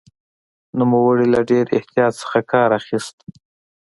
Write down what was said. نوموړي له ډېر احتیاط څخه کار اخیست.